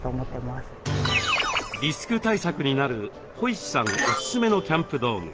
リスク対策になるこいしさんおすすめのキャンプ道具。